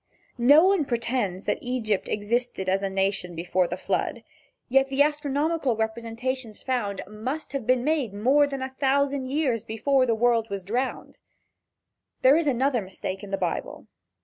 No one pretends that Egypt existed as a nation before the flood. Yet the astronomical representations found, must have been made more than a thousand years before the world was drowned. There is another mistake in the Bible.